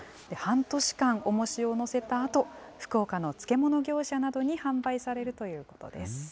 半年間おもしを載せたあと、福岡の漬物業者などに販売されるということです。